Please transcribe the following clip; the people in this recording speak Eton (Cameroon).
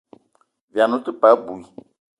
Vian ou te paa abui.